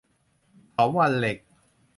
เถาวัลย์เหล็ก